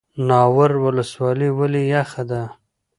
ناور ولسوالۍ ولې یخه ده؟